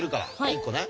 １個ね。